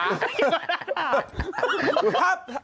ไม่เจอคาถา